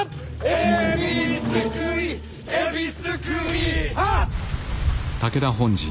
「海老すくい海老すくいハァ」